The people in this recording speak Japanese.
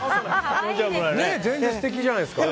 全然素敵じゃないですか。